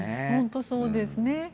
本当にそうですね。